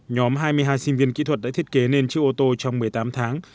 nhóm hai mươi hai sinh viên kỹ thuật đã thiết kế nên chiếc ô tô trong một mươi tám tháng